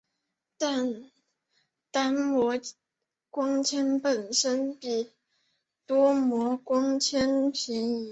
但单模光纤本身比多模光纤便宜。